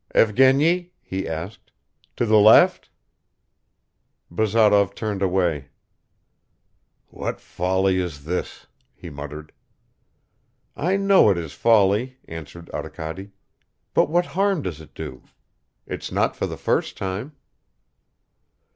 "Evgeny," he asked, "to the left?" Bazarov turned away. "What folly is this?" he muttered. "I know it is folly," answered Arkady. "But what harm does it do? It's not for the first time."